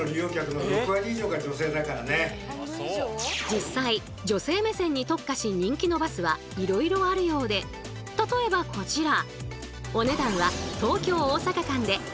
実際女性目線に特化し人気のバスはいろいろあるようで例えばこちら。